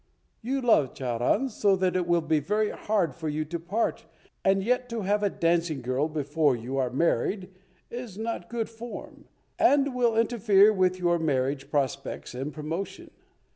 You love Charan so that it will be very hard for you to part, and yet to have a dancing girl before you are married is not good form, and will interfere with your marriage prospects and promotion.